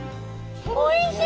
おいしい！